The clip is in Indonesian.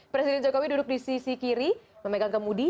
presiden jokowi duduk di sisi kiri memegang kemudi